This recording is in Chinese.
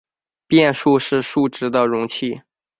变数是数值的容器。